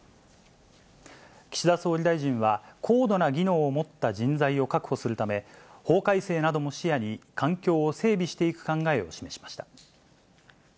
岸田総理大臣は、高度な技能を持った人材を確保するため、法改正なども視野に、環境を整備していく考えを示しました。